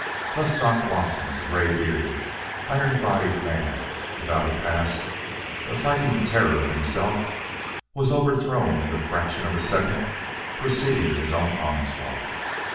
Thus, Doc Watson, the gray bearded, iron bodied man without a past, a fighting terror himself, was overthrown in the fraction of a second preceding his own onslaught.